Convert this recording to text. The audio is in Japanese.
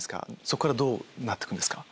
そっからどうなってくんですか？